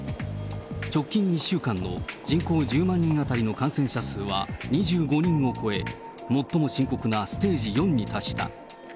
直近１週間の人口１０万人当たりの感染者数は２５人を超え、最も深刻なステージ４に達した。